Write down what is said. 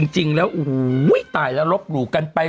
จริงแล้วโอ้โหตายแล้วลบหลู่กันไป